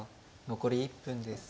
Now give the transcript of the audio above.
残り１分です。